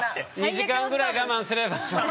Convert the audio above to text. ２時間ぐらい我慢すればもう。